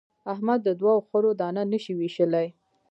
احمد د دوو خرو دانه نه شي وېشلای.